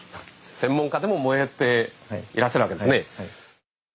・専門家でも燃えていらっしゃるわけですね。